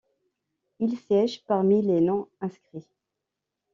Il siège parmi les non-inscrits.